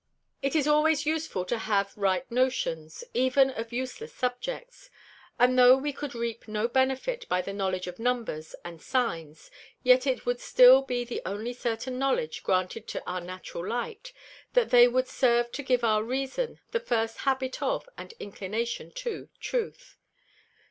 It is always useful to have right Notions, even of useless Subjects. And tho' we cou'd reap no benefit by the Knowledge of Numbers and Sines, yet it wou'd still be the only certain Knowledge granted to our Natural Light, and they wou'd serve to give our Reason the first Habit of and Inclination to Truth.